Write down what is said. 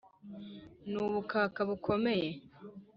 n’ubukaka bukomeye